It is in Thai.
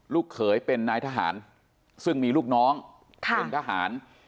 เขยเป็นนายทหารซึ่งมีลูกน้องเป็นทหาร